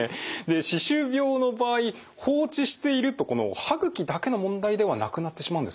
歯周病の場合放置しているとこの歯ぐきだけの問題ではなくなってしまうんですか？